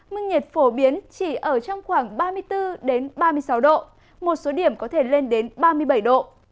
mức nhiệt phổ biến chỉ ở trong khoảng ba mươi bốn ba mươi sáu độ một số điểm có thể lên đến ba mươi bảy độ